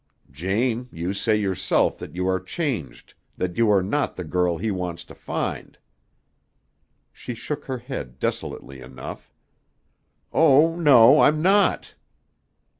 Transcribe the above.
"Jane, you say yourself that you are changed, that you are not the girl he wants to find." She shook her head desolately enough. "Oh, no, I'm not."